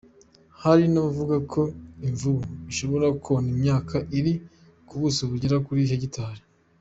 Hari n’abavuga ko imvubu ishobora kona imyaka iri ku buso bugera kuri hegitari.